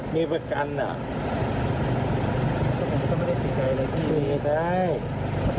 มีครับ